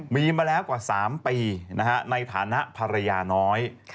มีมาแล้วกว่า๓ปีในฐานะภรรยาน้อย